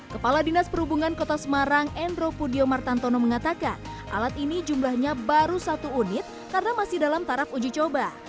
kepala dinas perhubungan kota semarang endro pudio martantono mengatakan alat ini jumlahnya baru satu unit karena masih dalam taraf uji coba